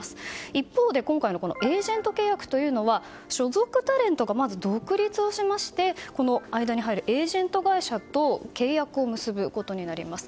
一方で、今回のエージェント契約というのは所属タレントが独立をしましてこの間に入るエージェント会社と契約を結ぶことになります。